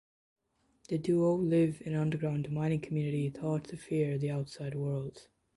The duo live in an underground mining community taught to fear the outside world.